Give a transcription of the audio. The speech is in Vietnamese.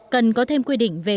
cần có thêm quy định về